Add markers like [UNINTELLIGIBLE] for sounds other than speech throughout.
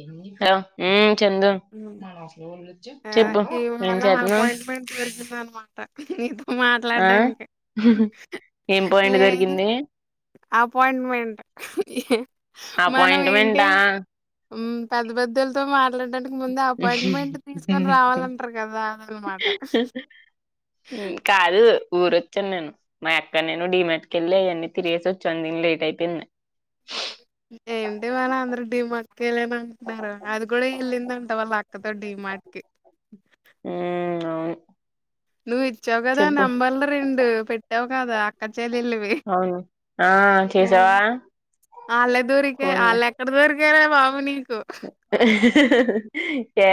ఏం తింటావ్ ఆ చెప్పు ఏం ఇవాళ చేతున్నావ్ అపాయింట్మెంట్ దొరికిందనమాట నీతో ఆ మాట్లాడ్డానికి ఏం పాయింట్ లేదు దొరికింది అపాయింట్మెంట్ ఏ మనం ఏంటి అపాయింట్మెంటా మ్మ్ పెద్ద పెద్దోళ్తో మా డాంటికు ముందు అపాయింట్మెంట్ తీసుకొని రావాలంటరు కదా అదనమాట కాదు ఊరొచ్చాను నేను మా అక్క నేను డీ మార్ట్ కెళ్ళి అయన్నీ తిరిగేసొచ్చాం దీని లేట్ అయిపోయింది కలే నంటనారు అది కూడా ఎళ్ళిందంట వాల్ అ క్క తో డి మార్ట్ కి మ్మ్ అవును నువ్వు ఇచ్చావు కదా చెప్పు నంబర్లు రెండు పెట్టావు కదా అక్క చెల్లెలివి అవును ఆ చేసావా ఆళ్ళే దొరికే పోన్లే వాళ్ళెక్కడ దొరి కేరే బాబు నీ ఏ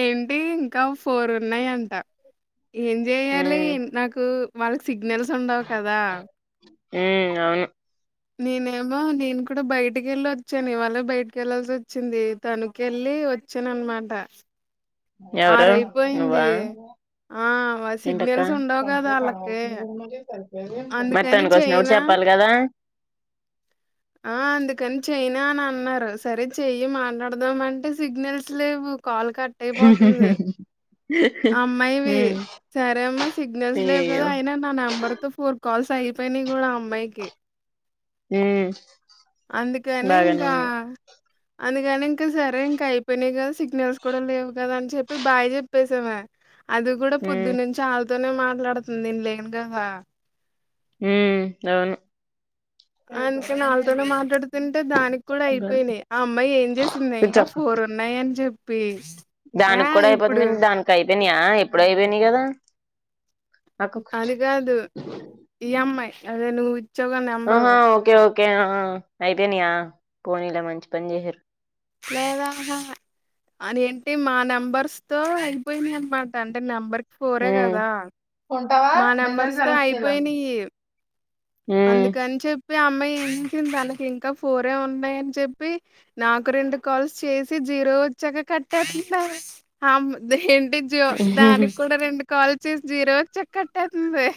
ఏంటి ఇంకా ఫోర్ ఉన్నాయంట ఏం ఉమ్ చెయ్యాలి నాకు మల్స్ సిగ్నల్స్ ఉండవు కదా ఉమ్ అవును నేనేమో నేను కూడా బయటికెళ్ళొచ్చాను ఇవాళ బయటకెళ్లాల్సొచ్చింది తణుకెళ్ళి వచ్చాననమాట ఎవరు అయిపోయింది. నువ్వా ఆ! ఏంటక్క సిగ్నల్స్ ఉండవు కదా ఆళ్ళకి. మరి అందుకని తణుకొచ్చినప్పుడు చెయ్యనా? చెప్పాలి కదా ఆ అందుకని చెయ్యనా అని అన్నారు సరే చెయ్యి మాట్లాడదామంటే సిగ్నల్స్ లేవు కాల్ కట్ అయిపోతుంది అమ్మాయివి ఉమ్ సరే అమ్మా సిగ్నల్స్ లేవు అయ్యయ్యో కదా అయినా నా నెంబర్ తో ఫో కాల్స్ అయిపోయినాయి కూడా అమ్మాయికి మ్మ్ అందుకని ఇంక అను కానింక సరే ఇంక అయిపోయినాయి కదా సిగ్నల్స్ కూడా లేవు కదా అని చెప్పి బాయ్ చెప్పేసా మే అది కూడా ఉమ్ పొద్దునుంచి ఆ తోనే మాట్లాడుతుంది నేను లేను కదా మ్మ్ అవును అందుకని వాళ్ళతోనే మాట్లాడుతుంటే దానికి కూడా అయిపోయినాయి ఆ అమ్మాయి ఏం చేసింది కూర్చో ఇంకా ఫోర్ ఉన్నాయి అని చెప్ ప్పి దానికి కూడా అయిపోతుంది మ దానికి అయిపోయింది యా ఎప్పుడయిపోయినా కదా అక్క కూర్చో అది కాదు ఈ అమ్మాయి అదేను ఆహా ఓకే ఓకే అయిపోయినయా పోనీలా మంచి పని చేసారు లేదా అది ఏంటి మా నెంబర్స్ తో అయిపోయిందియి అన్నమాట అంటే నెంబర్ ఫోర్రే ఉమ్ కదా మా నెంబర్స్ తో అయిపోయినాయి ఉమ్ అందుకని చెప్ చెప్పి అమ్మాయి ఏంచింది తనకి ఇంకా ఫోరే ఉన్నాయని చెప్పి నాకు రెండు కాల్స్ చేసి జీరో వచ్చాక కట్టేసింటారు ఆ అమ్మాయి జ దానికి కూడా రె కాల్చిస్ జీరో కట్టే తానది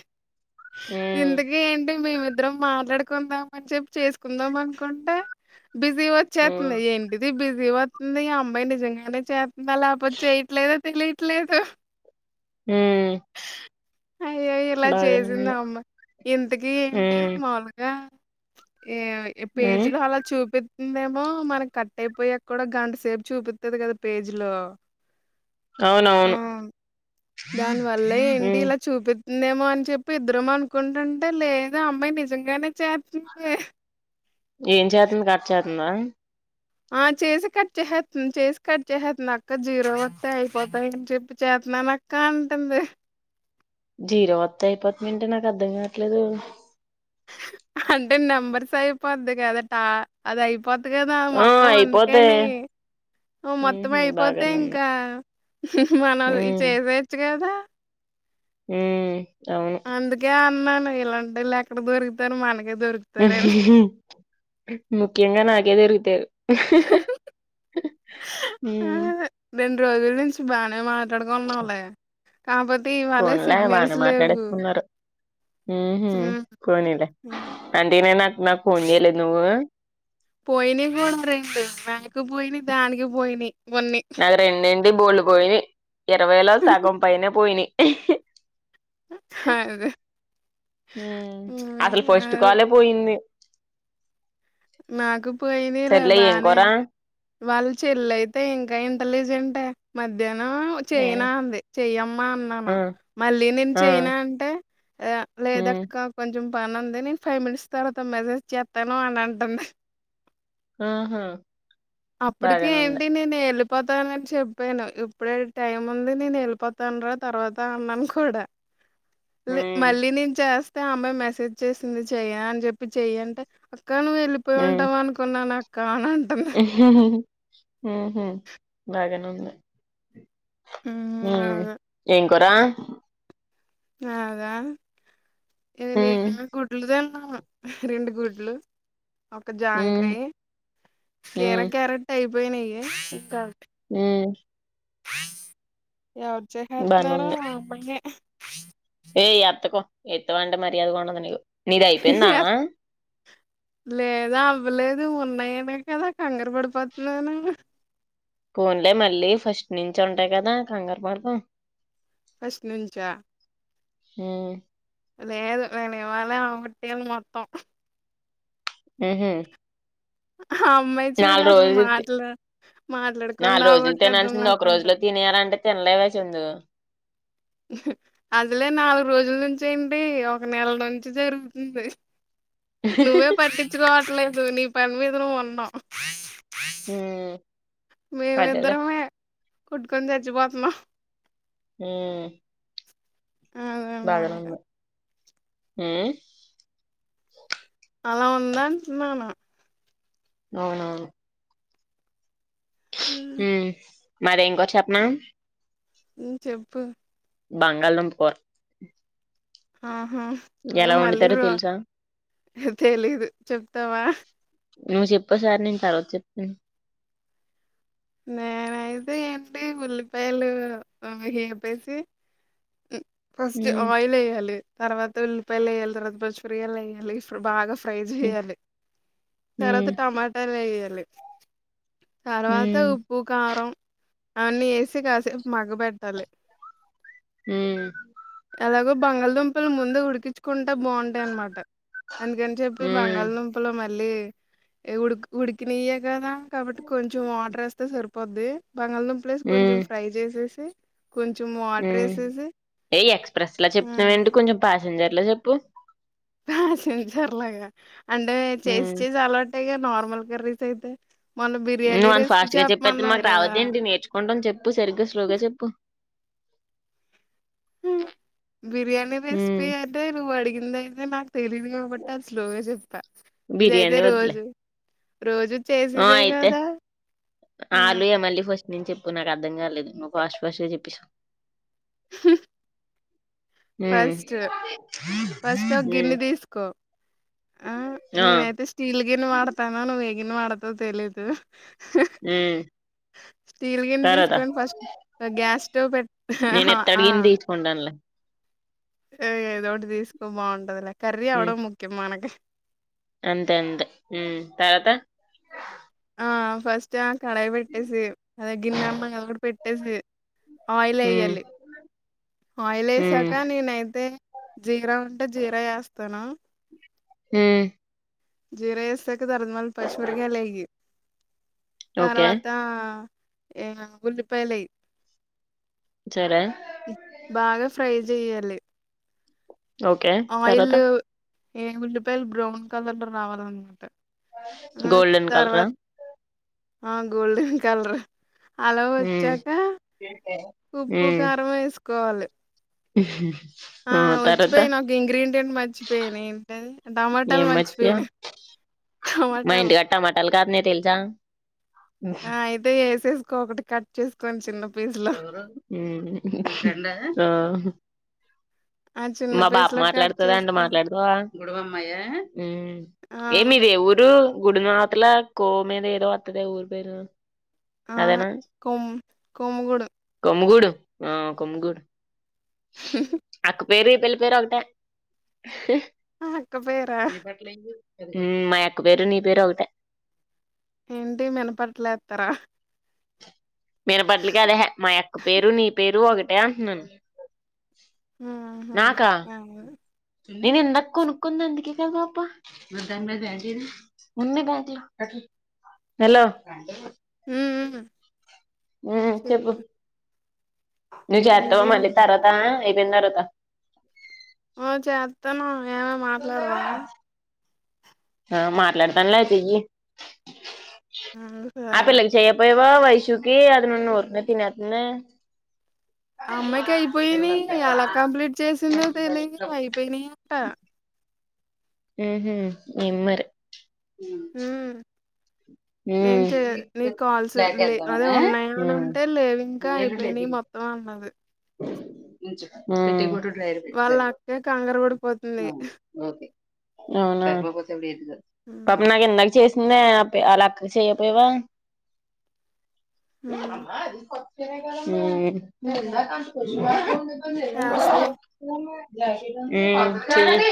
ఉమ్ ఇంతాకి ఏంటి మేము ఇద్దరం మాట్లాడుకుందాం అని చెప్పి చేసుకుందాం అనుకుంటే బిజీ ఉమ్ వచ్చేస్తుంది ఏంటిది బిజీ జీ వతనది అమ్మాయి నిజంగానే చెస్ లేపోతే చ్చేయట్లేదు తెల ఇట్లేతే మ్మ్ అయ్యో ఇలా చేసింది అమ్మ ఇంతకి ఏంటి ఉమ్ మాములుగా ఏ ఉమ్ పేజీ లో అలా చూపి ఇందేమో మనకి కట్ అయిపోయాక కూడా గంట సేపు చూపితుది కదా పేజీ లో అవునవును దాని వల్ల ఏంటి ఉమ్ ఇలా చూపి నేమో అని చెప్పి ఇద్దరమ అనుకుంటుంటే లేద అమ్మాయి నిజంగానే చెప్ప ఏం చేతుంది కక్ట్ చేతుందా ఆ చేసి కట్ చేసస్తుంది చేసి కట్ చేసేస్తుంది అక్క జీరో వస్తే అయిపోతాయి ఇ ట్రిప్ చేస్తున్నాని అక్క అంటుంది జీరో వత్త అయిపోత మంటే నాకు అర్ధం కావట్లేదు అంటే నెంబర్స్ అయిపోద్ది కదా టా అది అయిపో అయిపోది కదా ఆ మొత్తం అయిపోద్ది అందుకని మొత్తం ఉహు అయిపోతే బాగానే ఉంది ఇంకా మనం చేసవచ్చు కదా మ్మ్ అందుకే న్నాను ఇలాంటేళ్ళ ఎక్కడ దొరుకుతారు మనకి ముఖ్యంగా నా ఏదేరు ఇతేరు ఆ ఉమ్ రెండు రోజుల నుంచి బానె మా ఎక్కడకొన్నావులే పోన్లే బానే లేవు. మాట్లాడేసుకున్నారు ఉహూ పోనీలే హ్మ్. అంటే నేను అ నాకు ఫోన్ చేయలేదు నువ్వు పోయిన మకు పోయి దానికి పోయినియ్ నాకు రెండెంటి బోల్డు పోయిన ఇరవై లో సగం పైనే పోయినియ్ అదే ఉమ్ అసలు ఫస్ట్ మ్మ్ కాలే పోయింది మాకు పోయినర సర్లే ఏం బానే కూర వాళ్ళు చెల్లయితే ఇంకా ఇంటలిజెంటె మధ్య ఇదేను ఏ చెయనా అంది చెయ్యమ్మా అన్నాను ఆ మళ్ళీ నేను ఆ చెయనా అంటే ఉమ్ లేదక్క కొంచెం పనుంది నేను ఫైవ్ మినిట్స్ తర్వాత మెసేజ్ చేస్తాను అని అంటుంది ఆహా అప్పుటికి బాగానే ఉంది ఏంటి నేను వెళ పోతాన అని చెప్పాను ఇప్పుడే టైం ఉంది నేను వెళ్ళిపోతాన రా తర్వాత అన్నాను కూడా హ్మ్ మళ్ళీ నేను చేస్తా ఐతే ఆ అమ్మాయి మెసేజ్ చేసింది చెయ్య అని చెప్పి చెయ్య అంటే అక్క నువు పోయి ఉంటావ్ అనుకున్నాను అక్కా హ్మ్.. హ్మ్ ఉహూ బాగానె ఉంది హ్మ్ ఉమ్ అదే ఏం రా అదా హ్మ్ నేనా గుడ్లు దా రెండు గుడ్లు ఒక హ్మ్ జాంకాయ కీరా హ్మ్ క్యారెట్ టైప్ బోయినయ్యే ఇంకా న్యామ్ హ ఎవర్ జెహ్నర్ త్నారో బానేఉంది బన్యే ఈ ఏయ్ ఎత్తకో, ఎత్తవంటె మర్యాద కొండందు నీకు నీదైయిపెన్నా లేదా అవ్వలేదు. ఉన్నాయని కదా హంగర్బడి పోత్నాను, హ్మ్హ్ కోన్లే మళ్ళీ ఫస్ట్ నించొంటాయి. కదా కంగారుమార్గం ఫస్ట్ నుంచా హ్మ్ లేదు. నేను ఇవళ్ళె ఆమ్మట్టిల్న్, మొత్తం హ్మ్మ్ ఆ అమ్మాయి చూడు ఇనాల్గు అసలు రోజులు త్తి, మాటలు మాట్లాడకుండా నాల్ రోజులు అవగొట్టేద్దాం తినాల్సింది. ఒక రోజులో అనుకుంటది. తినేయలంటే తినలేవేసిందు. హుహ్మ్ అదిలే నాలుగు రోజుల నుంచి, ఏంటి ఒక నెల నుంచి జరుగుతుంది. నువ్వే పట్టించుకోవట్లేదు, నీ ఫెన్ మీదనే ఉన్నా హ్ హ్మ్ అదేలే మేమిద్దరమే కొట్టుకొందచ్చి వోత్నా హ్మ్మ్ ప్చ్ బ్యాగ అదనమాట. రౌండ్ లో హ్మ్ అల్లా ఉందన్తున్నాను నవునవును హ్మ్ మరి ఇంకోట్, చెప్నా హ్మ్ చెప్పు బంగాళదుంప్, కోర్ ఆ ఎలా వండుతారో తెలుసా తెలీదు చెప్తావా నువ్వు చెప్పసార్ నేను తర్వాత చెప్న నేనయితే ఏంటి ఉల్లిపాయలు, అవి హి ఉప్పేసి హ్మ్ ఫస్ట్ ఉమ్ ఆయిలేయ్యాలి. తర్వాత ఉల్లిపాయల్లేయ్యాలి. తర్వాత పచ్చిమిరియల్లేయ్యాలి. ఇఫ్రు బాగా ఫ్రైజ్ ఉమ్ చెయాల్లె తర్వాత టమాటలే య్యల్ తర్వా తో ఉమ్ ఉప్పు కారం అవన్నీ వేసి కాసేపు మగ్గ పెట్టాలి మ్మ్ లాగూ బంగాళదుంపలు ముందు ఉడికిచ్చుకుంటే బావుంటాయి అన్నమాట అందుకని చెప్పి ఉమ్ బంగాళదుంపలు మ ళ్ళీ ఉడుక్ ఉడికినియ్యే కదా కాబట్టి కొంచ్ రస్త సరిప్ పోద్ది బంగళదుంపలేసి కొంచెం ఉమ్ ఫ్రై చేసేసి ఏ ఎక్స్ ప్రెస్ లా హ్మ్. చెప్తున్నావేంటి కొంచెం ఫా సింజర్ లా చెప్పు పాసింజర్ లాగా అంటే చేసి ఉమ్ చేసి అలవాట్ టేగా నార్మల్ కర్రీస్ అయితే మొన్న బిర్యానీ నువ్ అంత రెసిపీ ఫాస్ట్ గా చెప్పేత్తే చెప్పమన్నావు మాకు కదా రావద్దేంటి నేర్చుకుంటం చెప్పు సరిగ్గా స్లోగా చెప్పు బిర్యానీ ఉమ్ రెసిపీ అదే నువ్వడి గిందయితే నాకు తెలీదు కాబట్టి అది స్లోగా చెప్తా ఇదైతే బిర్యానీ వద్దులే రోజూ ఆ అయితే ఆలు ఏ హ్మ్ మళ్ళీ ఫస్ట్ నుంచి చెప్ పప్పు నాకు అర్థం కాలేదు నువ్వు ఫాస్ట్ ఫాస్ట్ గా చెప్పేసావ్ హూ ఉమ్ ఫస్ట్ ఫస్ట్ ఒక ఉమ్ గిన్నె తీసుకో ఆ ఆ నేనైతే స్టీల్ గిన్నె వాడతాను నువ్వే గిన్నె వాడతొ తెలీదు ఉమ్ స్టీల్ గిన్నె తర్వాత తీసుకొని ఫస్ట్ గ్యాస్ స్టవ్ పెట్ నేను ఎత్త ఆ అడిగింది తీసుకుంటానులే [UNINTELLIGIBLE] ఏదో ఒకటి తీసుకో బావుంటది లె కర్రీ ఉమ్ అవ్వడం ముఖ్యం మనకి అంతే అంతే మ్ తర్వాత ఆ ఫస్ట్ కడాయి పెట్టేసి అదే గిన్నె అన్నాం కదా అది కూడా పెట్ ట్టేసి ఆయిల్ ఉమ్ ఎయ్యాలి ఆయిల్ ఉమ్ ఏశాక నేనైతే జీరా అంట జీర వేస్తాన హ జీర ఏస్తే తరర్ళ్ పచ్చిమిరప కాయలే ఇయ్యి ఓకే తర్వాతా ఏ ఉల్లిపాయలు ఎయ్యి సరే బాగ ఫ్రై చెయ్యాలి ఒకే తర్వాత ఏ ఉల్లిపాయలు బ్రౌన్ కలర్ లో రావాలన్నమాట ఆ గోల్డన్ కలర తర్వాత ఆ గోల్డెన్ కలర్ అల ఉమ్ వచ్చాకా ఉప్పు ఉమ్ కారం వేసు కోవాలి ఆ వచ్చిపోయిను ఒక ఇంగ్రీడియంట్ మర్చిపోయాను ఏంటది టమాటాలు ఏం మర్చిపోయిన మర్చిపోయావ్ టమాటాలు తెల్సా ఆ ఐయితే ఏస్సెస్ ఒక్కొక్కటి కట్ చేసుకొని చిన్న పీస్‌లో. ఎవరు హు హు అనురాధ ఆ ఆ చిన్న మా బాప పీస్‌లో కట్ మాట్లాడుతుందండి చేసుకొని మాట్లాడుతా గుడవమ్మాయ ఉమ్ ఆ! ఏమి ఇదే ఊడూ గుడి మాతల కో మీద ఏదో వత్తదే ఊరిపేరు ఆ కొం కొమ్ముగూడు కొమ్ముగూడు ఆ కొమ్ముగూడు అటు వేరే పెళ్లి పేరు ఒకటే ఆ అక్క పేరా మా అక్క పేరు నీ పేరు ఒకటె ఏంటి మినపట్లెతారా మీరు బడ్లు కాదు అహే మా యక్క పేరు నీ పేరు ఒకట్ టే అంటున్నాను ఆ హా నాకా అ నేను ఇందాక కొనుక్కుంది అందుకే కదా హలో ఊ ఆ చెప్పు నువ్ చేత్తవ ఇంకేంటి? మళ్ళీ తరువాత అయిపోయిన తరువాత తం ఎమే మాట్లాడదామ ఆ మాట్లాడతాను లేతేయ్యి ఉం సరే ఇ వైషూకి అది నున్న ఉరికనే తినేతుందే అమ్మాయికి అయిపోయినాయి ఎలా కంప్లీట్ చేసిందో తెలియ అయిపోయినాయి అంట ఉహు ఏంది మరే ఉమ్ హ్మ్. నేను చే నీ కాల్స్ లే అదే ఉన్నాయా అని మ్మ్ అంటే లేవు ఇంకా అయిపోయినాయి మొత్తం అన్నది ఉమ్ వాళ్ళ అక్కే కంగర పడిపోతుంది అవునా హ్మ్ పాపం నాకు ఇందాకే చేసిందే అపి అల్ల అక్కకు చేయకపోయవా ఏ [INAUDIBLE] హ్మ్ హుమ్ కొచ్చ చేస్తా [UNINTELLIGIBLE] ఎం కాదు హు చెయ్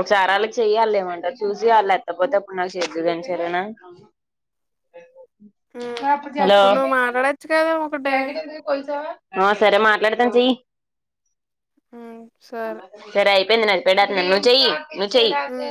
ఒకసారి వాళ్ళకి చెయ్యి ఆల్లెమంటారో చూసియాల్లెత్తపోతే అప్పుడు నాకు చేదుగని సారెనా హ్మ్ హలో ఇప్పుడు నువ్వు మాట్లాడొచ్చు కదా ఒకటి ఆ సరే మాట్లాడతాం చెయ్యి హు సరే సరే అయిపోయింది నాది పెట్టేస్తున్న నువ్వు చెయ్ నువ్ చెయ్ హ్మ్